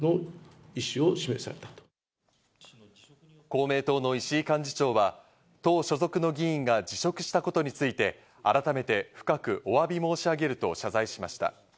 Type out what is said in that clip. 公明党の石井幹事長は、党所属の議員が辞職したことについて改めて深くお詫び申し上げると謝罪しました。